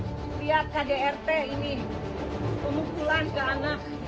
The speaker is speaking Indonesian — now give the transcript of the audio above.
lihat kdrt ini pemukulan ke anak